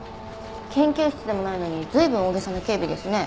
研究室でもないのに随分大げさな警備ですね。